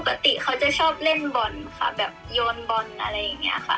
ปกติเขาจะชอบเล่นบอลค่ะแบบโยนบอลอะไรอย่างนี้ค่ะ